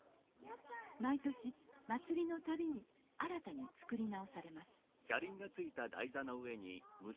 毎年祭りの度に新たに作り直されます